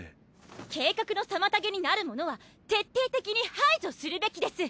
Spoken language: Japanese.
計画の妨げになるものは徹底的に排除するべきです。